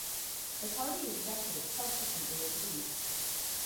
The party executive subsequently agreed.